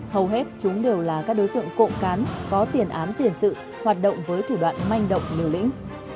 hầu hết chúng đều là các đối tượng cộng cán có tiền án tiền sự hoạt động với thủ đoạn manh động liều lĩnh